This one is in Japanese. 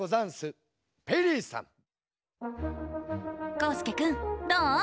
こうすけくんどう？